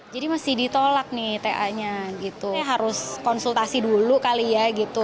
jadi masih ditolak nih ta nya gitu harus konsultasi dulu kali ya gitu